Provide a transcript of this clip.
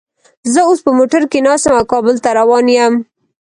زه اوس په موټر کې ناست یم او کابل ته روان یم